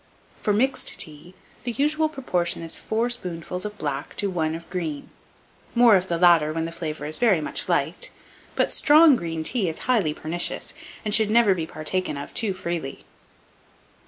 For mixed tea, the usual proportion is four spoonfuls of black to one of green; more of the latter when the flavour is very much liked; but strong green tea is highly pernicious, and should never be partaken of too freely.